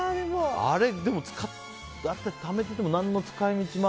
あれ、ためてても何の使い道も。